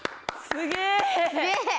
すげえ！